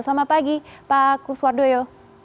selamat pagi pak kuswardoyo